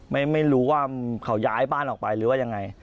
ไม่รู้ว่าเขาย้ายบ้านออกไปหรือว่ายังไง